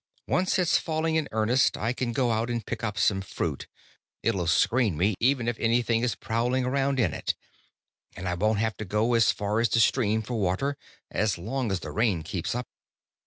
Once it's falling in earnest, I can go out and pick us some fruit it'll screen me even if anything is prowling around in it. And I won't have to go as far as the stream for water, as long as the rain keeps up."